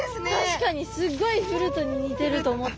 確かにすっごいフルートに似てると思ったの。